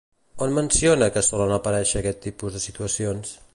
On menciona que solen aparèixer aquest tipus de situacions?